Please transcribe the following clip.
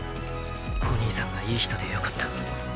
コニーさんがいい人で良かった。